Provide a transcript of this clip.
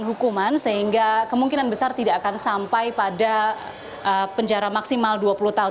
hukuman sehingga kemungkinan besar tidak akan sampai pada penjara maksimal dua puluh tahun